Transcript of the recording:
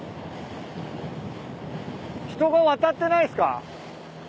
人が渡ってないっすか？